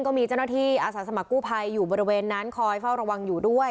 ก็มีเจ้าหน้าที่อาสาสมัครกู้ภัยอยู่บริเวณนั้นคอยเฝ้าระวังอยู่ด้วย